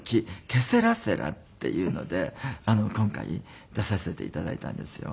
ケ・セラ・セラ』っていうので今回出させて頂いたんですよ。